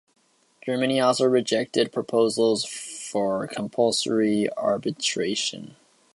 Germany also rejected proposals for compulsory arbitration.